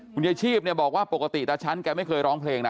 ยายชีพเนี่ยบอกว่าปกติตาฉันแกไม่เคยร้องเพลงนะ